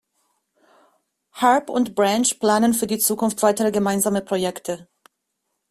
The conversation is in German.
Harp und Branch planen für die Zukunft weitere gemeinsame Projekte.